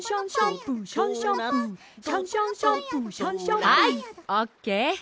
はいオッケー！